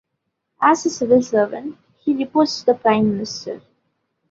As a civil servant, he reports to the Prime Minister.